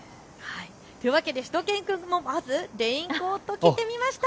というわけでしゅと犬くんもレインコートを着てみました。